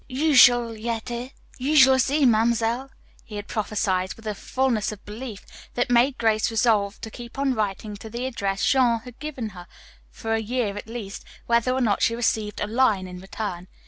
"You shall yet hear. You shall yet see, Mamselle," he had prophesied with a fullness of belief that made Grace resolve to keep on writing to the address Jean had given her for a year at least, whether or not she received a line in return.